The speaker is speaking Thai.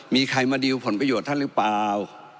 มีใครมาดีลผลประโยชน์ท่านหรือเปล่า